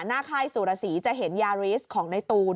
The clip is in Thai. หน้าค่ายสุรศรีจะเห็นยารีสของในตูน